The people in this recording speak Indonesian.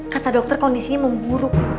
kata dokter kondisinya memburuk